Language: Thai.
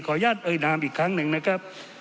อนุญาตเอ่ยนามอีกครั้งหนึ่งนะครับ